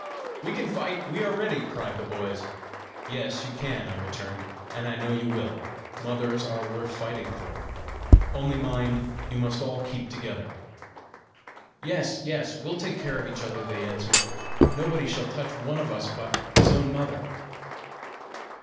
"We can fight! we are ready!" cried the boys. "Yes, you can," I returned, "and I know you will: mothers are worth fighting for! Only mind, you must all keep together." "Yes, yes; we'll take care of each other," they answered. "Nobody shall touch one of us but his own mother!"